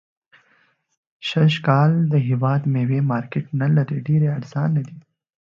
سږ کال د هيواد ميوي مارکيټ نلري .ډيري ارزانه دي